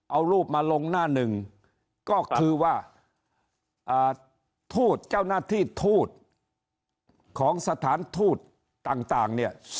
เอารูปมาลงหน้าหนึ่งก็คือว่าทูตเจ้าหน้าที่ทูตของสถานทูตต่างเนี่ย